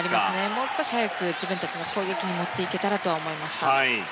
もう少し早く自分たちの攻撃に持っていけたらと思いました。